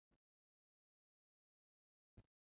柑橘黄龙病是柑橘类植物的严重疾病。